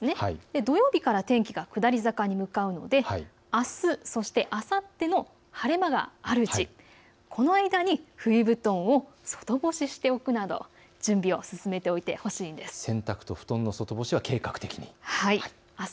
土曜日から天気が下り坂に向かうので、あす、あさっても晴れ間があるうちこの間に冬布団を外干ししておくなど準備を進めておいてほしいです。